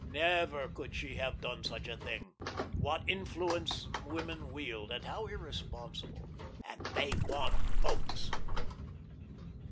Never could she have done such a thing. What influence women wield, and how irresponsible! And they want votes!